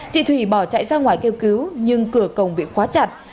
chị thủy bỏ chạy ra ngoài kêu cứu nhưng cửa công bị khóa chặt